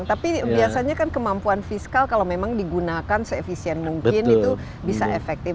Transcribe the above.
tapi biasanya kan kemampuan fiskal kalau memang digunakan se efisien mungkin itu bisa efektif